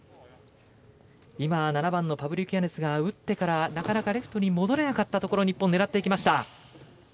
７番のパブリウキアネツが打ってからなかなかレフトに戻れなかったところを日本狙っていきました。